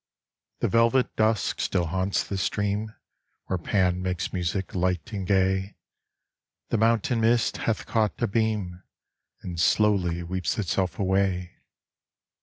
The velvet dusk still haunts the stream Where Pan makes music light and gay. The mountain mist hath caught a beam And slowly weeps itself away.